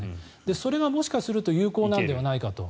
それがもしかすると有効なのではないかと。